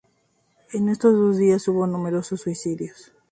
En esos dos días hubo numerosos suicidios.